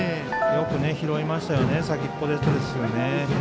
よく拾いましたよね、先っぽで。